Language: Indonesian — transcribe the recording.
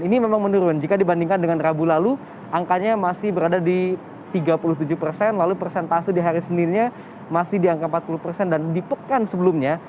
ini memang menurun jika dibandingkan dengan rabu lalu angkanya masih berada di tiga puluh tujuh persen lalu persentase di hari seninnya masih di angka empat puluh persen dan di pekan sebelumnya